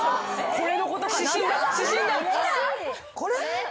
これ？